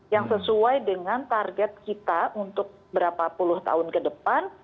yang sesuai dengan target kita untuk berapa puluh tahun ke depan